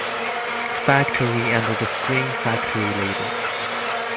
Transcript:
Factory under the Scream Factory label.